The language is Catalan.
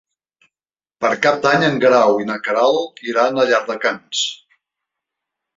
Per Cap d'Any en Guerau i na Queralt iran a Llardecans.